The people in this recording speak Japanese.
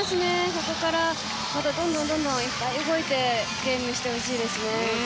ここからどんどん、いっぱいほえてゲームしてほしいですね。